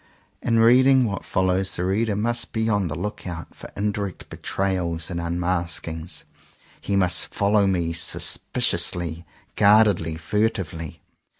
In reading what follows the reader must be on the lookout for indirect betrayals and unmaskings. He must follow me sus piciously, guardedly, furtively.